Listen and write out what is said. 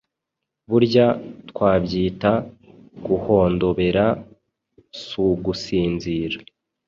Burya twabyita guhondobera sugusinzira